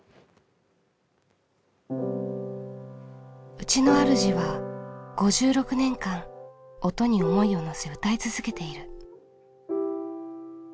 うちのあるじは５６年間音に想いをのせ歌い続けている。